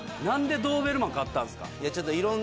なんでドーベルマン飼ったんですか？